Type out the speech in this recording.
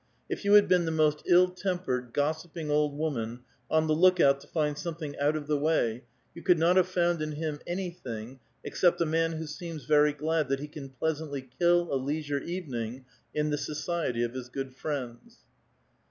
If you had been the most ill tempered, gossiping old woman, on the lookout to find something out of tho way, you could not have found in him anything, except a man who seems very glad that he can pleasantly kill a leisure even ing in the society of his good friends.